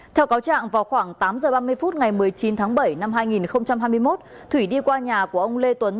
theo cáo trạng vào khoảng tám h ba mươi phút ngày một mươi chín tháng bảy năm hai nghìn hai mươi một thủy đi qua nhà của ông lê tuấn